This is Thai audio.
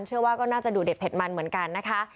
เชื่อว่าก็น่าจะดูเด็ดเผ็ดมันเหมือนกันนะคะ